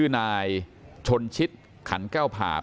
ท่านดูเหตุการณ์ก่อนนะครับ